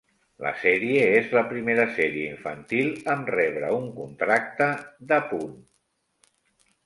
La sèrie és la primera sèrie infantil amb rebre un contracte d'À Punt.